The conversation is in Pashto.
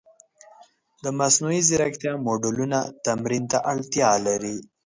د مصنوعي ځیرکتیا موډلونه تمرین ته اړتیا لري.